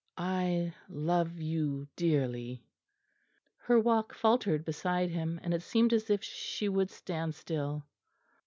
I love you dearly." Her walk faltered beside him, and it seemed as if she would stand still.